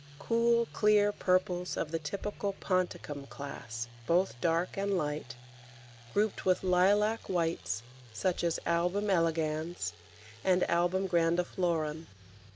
Cool clear purples of the typical ponticum class, both dark and light, grouped with lilac whites, such as Album elegans and Album grandiflorum.